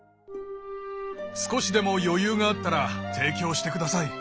少しでも余裕があったら提供してください。